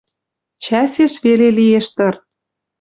Чӓсеш веле лиэш тыр.